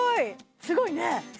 すごいね！